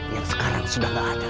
yang sekarang sudah tidak ada